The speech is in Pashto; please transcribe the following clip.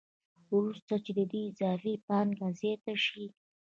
وروسته چې د دوی اضافي پانګه زیاته شي